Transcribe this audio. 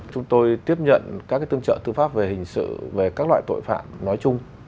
chúng tôi tiếp nhận các tương trợ tư pháp về hình sự về các loại tội phạm nói chung